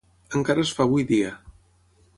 Encara es fa avui dia.